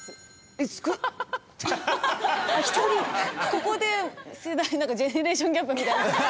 ここでジェネレーションギャップみたいな。